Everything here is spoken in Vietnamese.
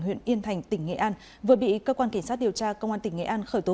huyện yên thành tỉnh nghệ an vừa bị cơ quan cảnh sát điều tra công an tỉnh nghệ an khởi tố